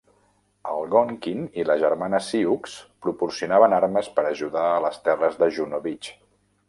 "Algonquin" i la germana "Sioux" proporcionaven armes per ajudar a les terres de Juno Beach.